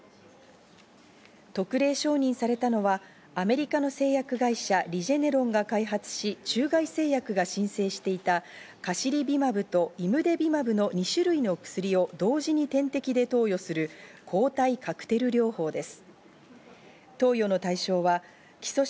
特例承認されたのは、アメリカの製薬会社リジェネロンが開発し中外製薬が申請していたカシリビマブとイムデビマブの２種類の薬を同時に点滴で投与する抗体カクテル療法です。